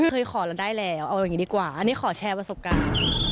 เคยขอเราได้แล้วเอาอย่างนี้ดีกว่าอันนี้ขอแชร์ประสบการณ์